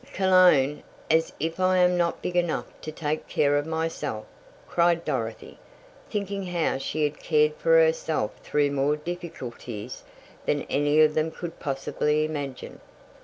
"Cologne! As if I am not big enough to take care of myself!" cried Dorothy, thinking how she had cared for herself through more difficulties than any of them could possibly imagine.